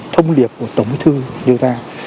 thông điệp của tổng bí thư như ta